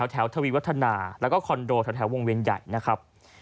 ทวีวัฒนาแล้วก็คอนโดแถววงเวียนใหญ่นะครับ